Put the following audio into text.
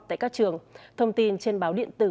tại các trường thông tin trên báo điện tử